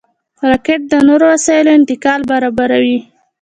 راکټ د نورو وسایلو انتقال برابروي